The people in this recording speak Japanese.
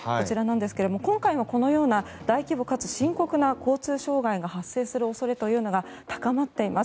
今回もこのような大規模かつ深刻な交通障害が発生する恐れが高まっています。